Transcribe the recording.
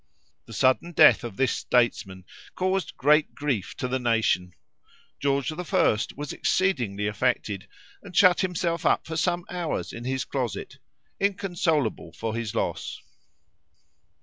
The sudden death of this statesman caused great grief to the nation. George I. was exceedingly affected, and shut himself up for some hours in his closet, inconsolable for his loss.